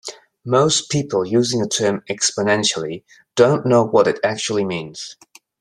Most people using the term "exponentially" don't know what it actually means.